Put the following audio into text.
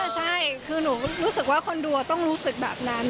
ใช่คือหนูรู้สึกว่าคนดูต้องรู้สึกแบบนั้น